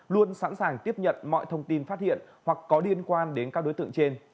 luôn sẵn sàng tiếp nhận mọi thông tin phát hiện hoặc có liên quan đến các đối tượng trên